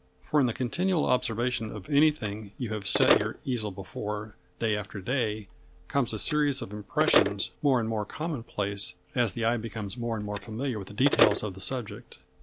For in the continual observation of anything you have set your easel before day after day, comes a series of impressions, more and more commonplace, as the eye becomes more and more familiar with the details of the subject.